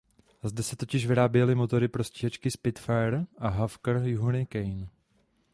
Zde se totiž vyráběly motory pro stíhačky Spitfire a Hawker Hurricane.